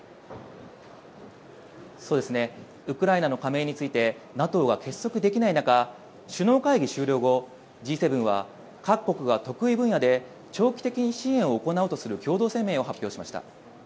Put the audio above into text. ウクライナの加盟についてＮＡＴＯは結束できない中首脳会議終了後、Ｇ７は各国が得意分野で長期的に支援を行うとする共同声明を発表しました。